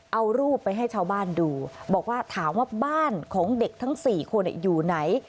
เอารูปไปให้ชาวบ้านดูบอกว่าถามว่าบ้านของเด็กทั้ง๔คนอยู่ไหน